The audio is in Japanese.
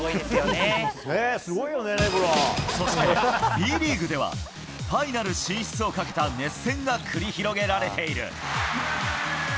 ねぇ、すごいよね、そしてＢリーグでは、ファイナル進出をかけた熱戦が繰り広げられている。